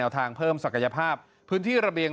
ทางเพิ่มศักยภาพพื้นที่ระเบียง